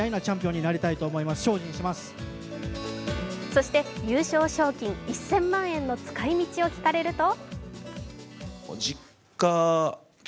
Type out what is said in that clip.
そして、優勝賞金１０００万円の使い道を聞かれると？